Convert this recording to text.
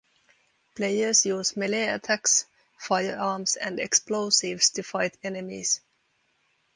Players use melee attacks, firearms and explosives to fight enemies.